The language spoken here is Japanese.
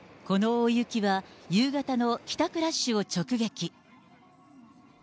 この大雪は夕方の帰宅ラッシュを直撃。